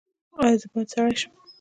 ایا زه باید سړی شم؟